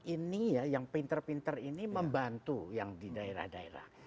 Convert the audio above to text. ini ya yang pinter pinter ini membantu yang di daerah daerah